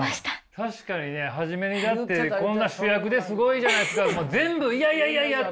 確かにね初めにだって「こんな主役ですごいじゃないですか」も全部「いやいやいやいや」って言ってたもんね。